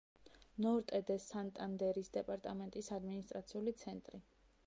ნორტე-დე-სანტანდერის დეპარტამენტის ადმინისტრაციული ცენტრი.